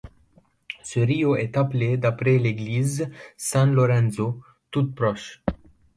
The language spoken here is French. Ce rio est appelé d'après l'Église San Lorenzo toute proche.